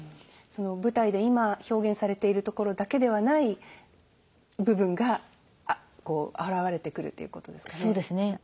その舞台で今表現されているところだけではない部分がこう現れてくるということですかね。